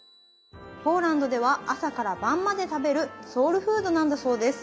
ポーランドでは朝から晩まで食べるソウルフードなんだそうです。